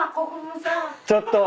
ちょっと。